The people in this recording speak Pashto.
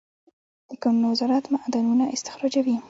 د کانونو وزارت معدنونه استخراجوي